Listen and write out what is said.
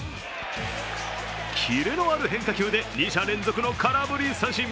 キレのある変化球で二者連続の空振り三振。